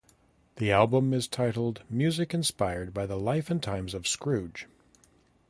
The album is titled "Music Inspired by the Life and Times of Scrooge".